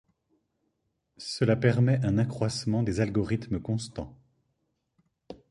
Cela permet un accroissement des algorithmes constants.